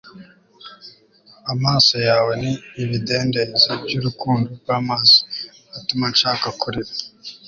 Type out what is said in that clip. amaso yawe ni ibidendezi byurukundo rwamazi atuma nshaka kurira